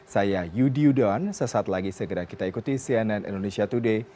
saya yudi yudon sesaat lagi segera kita ikuti cnn indonesia today